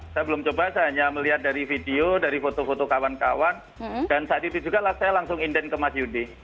saya belum coba saya hanya melihat dari video dari foto foto kawan kawan dan saat itu juga saya langsung indent ke mas yudi